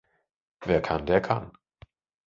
Wer kann der kann.